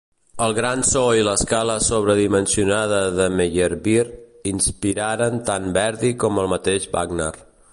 El gran so i l'escala sobredimensionada de Meyerbeer inspiraren tant Verdi com el mateix Wagner.